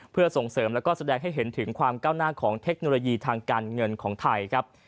เพื่อส่งเสริมแล้วก็แสดงให้เห็นถึงความก้าวหน้าของเทคโนโลยีทางการเงินของไทยครับ